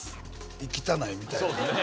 きたないみたいなね